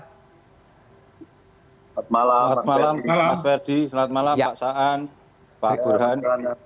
selamat malam mas ferdi selamat malam pak saan pak burhan